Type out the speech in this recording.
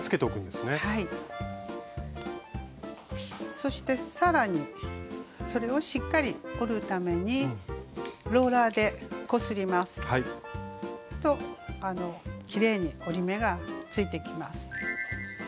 そしてさらにそれをしっかり折るためにローラーでこすりますときれいに折り目がついてきます。